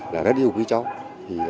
là rất yêu quý cháu